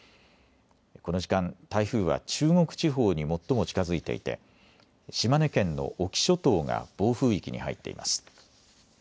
この時間、台風は中国地方に最も近づいていて島根県の隠岐諸島が暴風域に入っています。